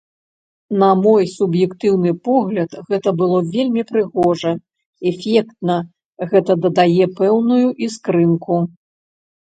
На мой суб'ектыўны погляд, гэта было вельмі прыгожа, эфектна, гэта дадае пэўную іскрынку.